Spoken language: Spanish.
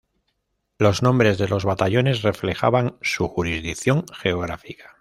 Los nombres de los batallones reflejaban su jurisdicción geográfica.